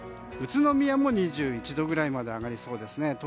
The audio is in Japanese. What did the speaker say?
宇都宮も２１度くらいまで上がりそうですね。